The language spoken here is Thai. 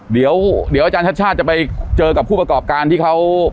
เดี๋ยวอาจารย์ชาติชาติจะไปเจอกับผู้ประกอบการที่เขา